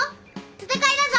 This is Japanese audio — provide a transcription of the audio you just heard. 戦いだぞ。